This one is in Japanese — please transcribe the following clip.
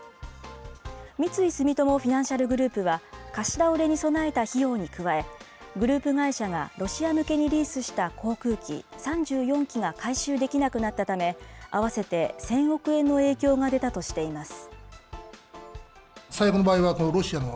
三井住友フィナンシャルグループは貸し倒れに備えた費用に加え、グループ会社がロシア向けにリースした航空機３４機が回収できなくなったため、合わせて１０００億円の影響が出たとしています。